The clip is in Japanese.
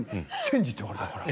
って言われたから。